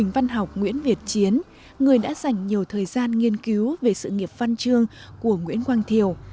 văn học nguyễn việt chiến người đã dành nhiều thời gian nghiên cứu về sự nghiệp văn chương của nguyễn quang thiều